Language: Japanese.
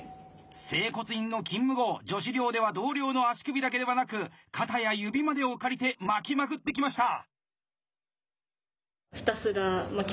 整骨院の勤務後女子寮では同僚の足首だけではなく肩や指までを借りて巻きまくってきました。